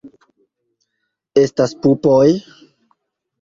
Estas pupoj?